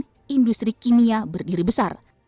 di kuala lenggong industri kimia berdiri besar